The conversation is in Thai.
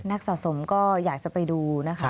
นักสะสมก็อยากจะไปดูนะครับ